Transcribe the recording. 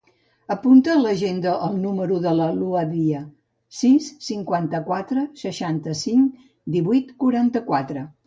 Apunta a l'agenda el número de la Lua Dia: sis, cinquanta-quatre, seixanta-cinc, divuit, quaranta-quatre.